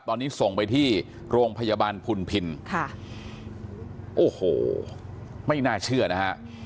ตอนนี้ส่งไปที่โรงพยาบาลพุนพินค่ะโอ้โหไม่น่าเชื่อนะฮะ